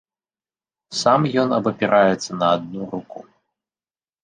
Сам ён абапіраецца на адну руку.